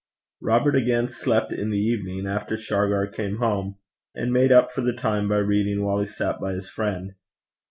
Robert again slept in the evening, after Shargar came home, and made up for the time by reading while he sat by his friend.